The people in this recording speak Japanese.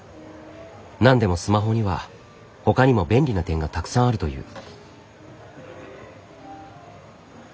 なんでもスマホには他にも便利な点がたくさんあるという。